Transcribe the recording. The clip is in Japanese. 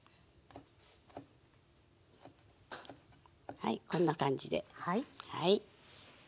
はいこんな感じで。